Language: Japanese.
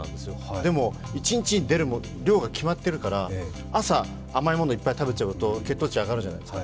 でも、一日に出る量が決まっているから朝、甘いものいっぱい食べちゃうと血糖値、上がるじゃないですか。